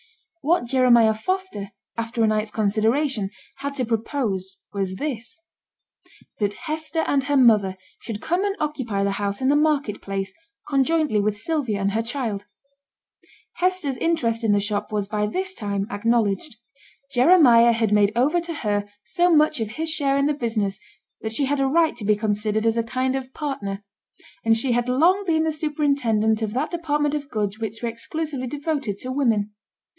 What Jeremiah Foster, after a night's consideration, had to propose was this; that Hester and her mother should come and occupy the house in the market place, conjointly with Sylvia and her child. Hester's interest in the shop was by this time acknowledged. Jeremiah had made over to her so much of his share in the business, that she had a right to be considered as a kind of partner; and she had long been the superintendent of that department of goods which were exclusively devoted to women.